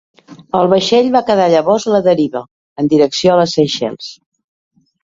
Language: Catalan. El vaixell va quedar llavors a la deriva en direcció a les Seychelles.